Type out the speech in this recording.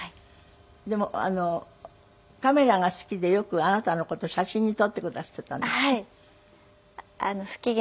でもカメラが好きでよくあなたの事写真に撮ってくだすっていたんですって？